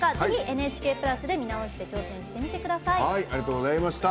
「ＮＨＫプラス」で見直して挑戦してみてください。